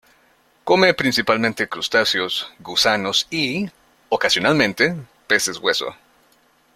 Come principalmente crustáceos, gusanos y, ocasionalmente, peces hueso.